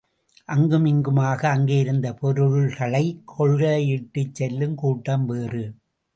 அங்குமிங்குமாக, அங்கேயிருந்த பொருள்களைக் கொள்ளையிட்டுச் செல்லும் கூட்டம் வேறு.